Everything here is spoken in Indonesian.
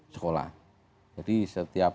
sekolah jadi setiap